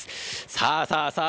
さあさあさあ